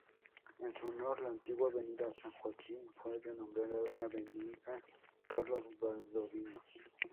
En su honor, la antigua Avenida San Joaquín fue renombrada Avenida Carlos Valdovinos.